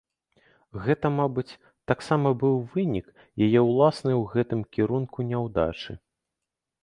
Гэта, мабыць, таксама быў вынік яе ўласнае ў гэтым кірунку няўдачы.